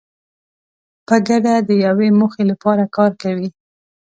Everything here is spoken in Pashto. په ګډه د یوې موخې لپاره کار کوي.